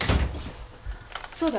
そうだ。